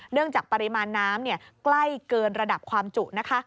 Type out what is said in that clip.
เนื่องจากปริมาณน้ำใกล้เกินระดับความจุ